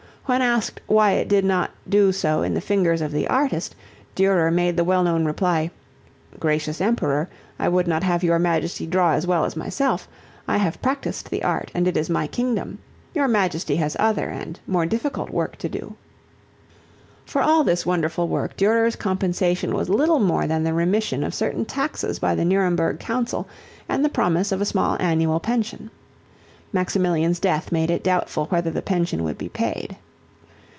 When asked why it did not do so in the fingers of the artist, Durer made the well known reply, "Gracious Emperor, I would not have your majesty draw as well as myself. I have practised the art and it is my kingdom. Your majesty has other and more difficult work to do." [Illustration: HEAD OF AN OLD MAN Durer] For all this wonderful work Durer's compensation was little more than the remission of certain taxes by the Nuremberg Council and the promise of a small annual pension. Maximilian's death made it doubtful whether the pension would be paid.